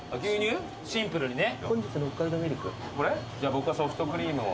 僕はソフトクリームを。